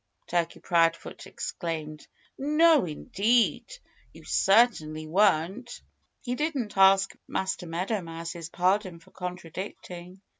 Turkey Proudfoot exclaimed. "No, indeed! You certainly weren't." He didn't ask Master Meadow Mouse's pardon for contradicting.